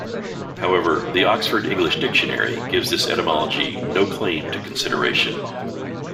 However, the "Oxford English Dictionary" gives this etymology "no claim to consideration".